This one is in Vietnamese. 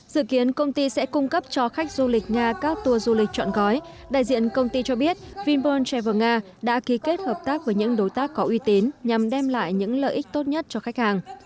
dự kiến công ty sẽ cung cấp cho khách du lịch nga các tour du lịch chọn gói đại diện công ty cho biết vinpearl travel nga đã ký kết hợp tác với những đối tác có uy tín nhằm đem lại những lợi ích tốt nhất cho khách hàng